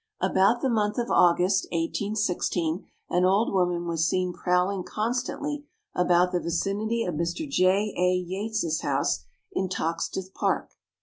About the month of August, 1816, an old woman was seen prowling constantly about the vicinity of Mr. J. A. Yates' house, in Toxteth Park.